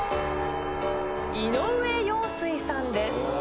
井上陽水さんです。